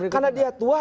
karena dia tua